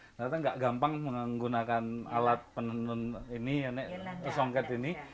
rata rata tidak gampang menggunakan alat penenun ini nek soket ini